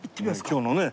今日のね